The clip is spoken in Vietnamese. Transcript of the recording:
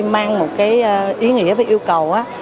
mang một cái ý nghĩa và yêu cầu